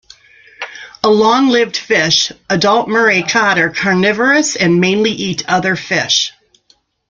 A long-lived fish, adult Murray cod are carnivorous and mainly eat other fish.